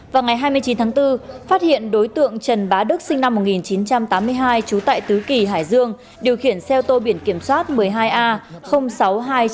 vào ngày hai mươi chín tháng bốn phát hiện đối tượng trần bá đức sinh năm một nghìn chín trăm tám mươi hai trú tại tứ kỳ hải dương điều khiển xe ô tô biển kiểm soát một mươi hai a sáu nghìn hai trăm chín mươi